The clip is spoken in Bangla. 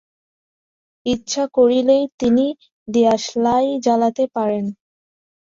ইচ্ছা করলেই তিনি দিয়াশলাই জ্বালাতে পারেন।